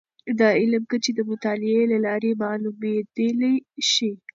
د علم کچې د مطالعې له لارې معلومیدلی شي.